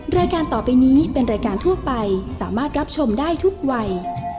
รายการต่อไปนี้เป็นรายการทั่วไปสามารถรับชมได้ทุกวัย